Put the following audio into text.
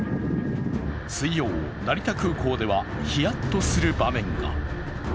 水曜、成田空港ではひやっとする場面が。